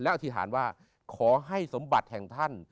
อธิษฐานว่าขอให้สมบัติแห่งท่าน